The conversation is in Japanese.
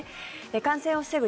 感染を防ぐ